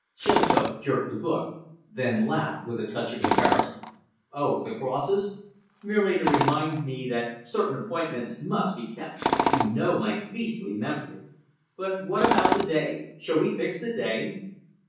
Chilcote jerked the book, then laughed with a touch of embarrassment. "Oh, the crosses? Merely to remind me that certain 'appointments must be kept. You know my beastly memory! But what about the day? Shall we fix the day?"